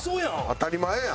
当たり前やん。